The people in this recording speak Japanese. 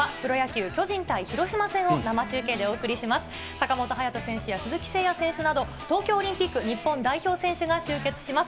坂本勇人選手や鈴木誠也選手など、東京オリンピック日本代表選手が集結します。